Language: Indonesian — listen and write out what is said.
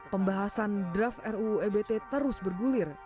pembahasan draft ruu ebt terus bergulir